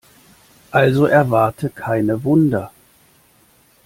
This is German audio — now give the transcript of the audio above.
Also erwarte keine Wunder.